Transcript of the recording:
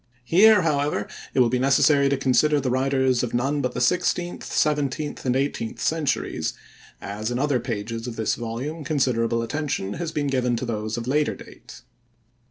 Here, however, it will be necessary to consider the writers of none but the sixteenth, seventeenth, and eighteenth centuries, as in other pages of this volume considerable attention has been given to those of later date.